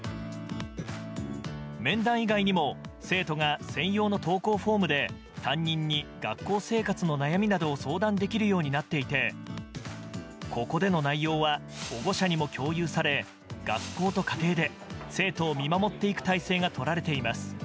面談以外にも生徒が専用の投稿フォームで担任に学校生活の悩みなどを相談できるようになっていてここでの内容は保護者にも共有され学校と家庭で生徒を見守っていく体制がとられています。